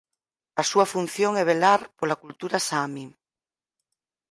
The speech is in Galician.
A súa función é velar pola cultura saami.